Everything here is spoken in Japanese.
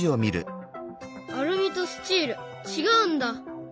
アルミとスチール違うんだ？